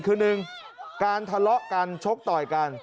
คือหนึ่งการทะเลาะกันชกต่อยกัน